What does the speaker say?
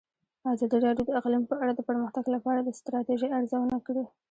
ازادي راډیو د اقلیم په اړه د پرمختګ لپاره د ستراتیژۍ ارزونه کړې.